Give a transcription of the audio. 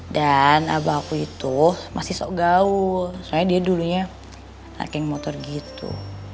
dan abah aku itu masih sok gaul soalnya dia dulunya narking motor gitu